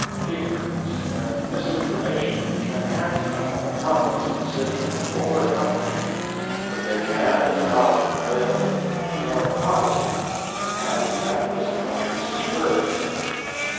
Ignorance and misinformation can handicap the progress of a city or a company, but they can, if allowed to prevail in foreign policy, handicap this country's security.